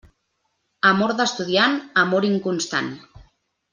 Amor d'estudiant, amor inconstant.